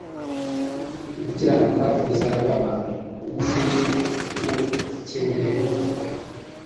gukiranuka kuzaba umushumi w'urukenyerero rwe.»